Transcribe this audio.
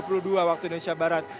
pukul dua puluh dua waktu indonesia barat